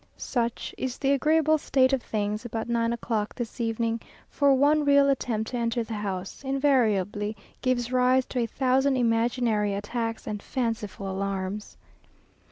Such is the agreeable state of things about nine o'clock this evening, for one real attempt to enter the house, invariably gives rise to a thousand imaginary attacks and fanciful alarms....